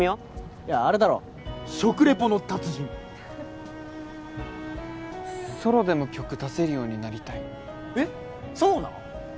いやあれだろ食レポの達人ソロでも曲出せるようになりたいえっそうなん？